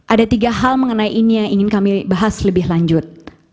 ada tiga hal mengenai ini yang ingin kami bahas lebih lanjut